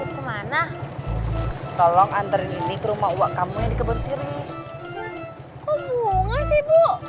kemana tolong antar ini rumah uang kamu di kebun sirih